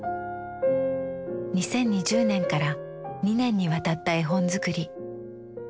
２０２０年から２年にわたった絵本作り。